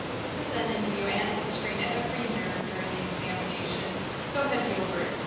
With this end in view Anne had strained every nerve during the examinations. So had Gilbert.